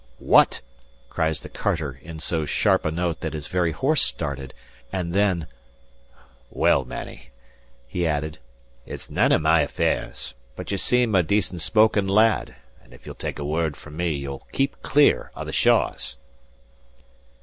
"What?" cries the carter, in so sharp a note that his very horse started; and then, "Well, mannie," he added, "it's nane of my affairs; but ye seem a decent spoken lad; and if ye'll take a word from me, ye'll keep clear of the Shaws."